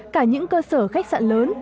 cả những cơ sở khách sạn lớn